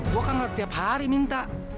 gua kan ngelar tiap hari minta